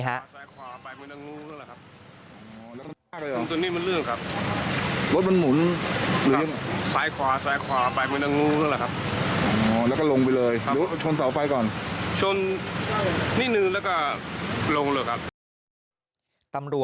ตำรวจอีกครั้ง